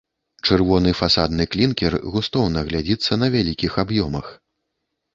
Чырвоны фасадны клінкер густоўна глядзіцца на вялікіх аб'ёмах.